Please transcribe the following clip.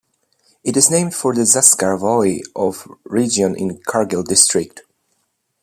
It is named for the Zanskar valley or region in Kargil district.